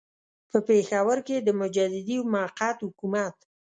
په پېښور کې د مجددي موقت حکومت.